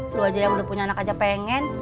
lu aja yang belum punya anak aja pengen